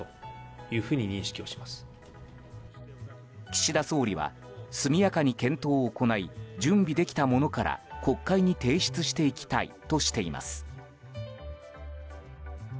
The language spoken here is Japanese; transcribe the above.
岸田総理は速やかに検討を行い準備できたものから国会に提出していきたいとしています。